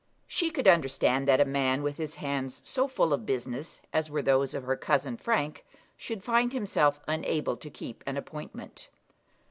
She could understand that a man with his hands so full of business, as were those of her cousin Frank, should find himself unable to keep an appointment.